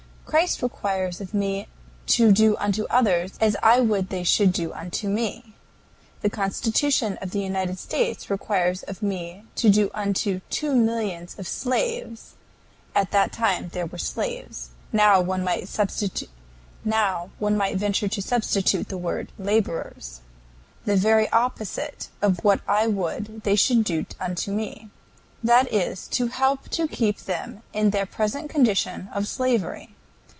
Christ requires of me to do unto others as I would they should do unto me. The Constitution of the United States requires of me to do unto two millions of slaves [at that time there were slaves; now one might venture to substitute the word 'laborers'] the very opposite of what I would they should do unto me that is to help to keep them in their present condition of slavery.